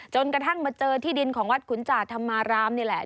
จนกระทั่งมาเจอที่ดินของวัดขุนจาธรรมารามนี่แหละ